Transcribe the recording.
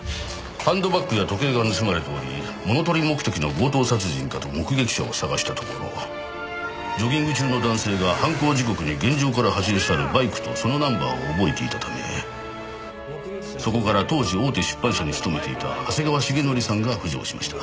ハンドバッグや時計が盗まれており物盗り目的の強盗殺人かと目撃者を探したところジョギング中の男性が犯行時刻に現場から走り去るバイクとそのナンバーを覚えていたためそこから当時大手出版社に勤めていた長谷川重徳さんが浮上しました。